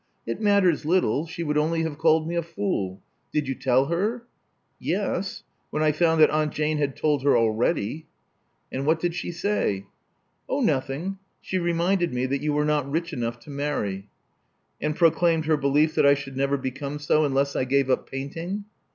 It matters little; she would only have called me a fool. Did you tell her?" Yes, when I found that Aunt Jane had told her already." •' And what did she Say?" •*Oh, nothing. She reminded me that you were not rich enough to marry." "And proclaimed her belief that I should never become so unless I gave up painting?"